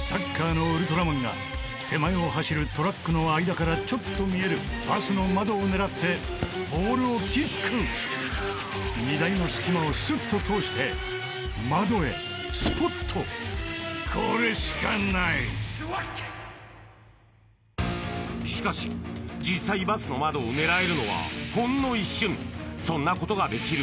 サッカーのウルトラマンが手前を走るトラックの間からちょっと見えるバスの窓を狙ってボールをキック荷台の隙間をスッと通して窓へスポっとこれしかないしかし実際バスの窓を狙えるのはほんの一瞬そんなことができる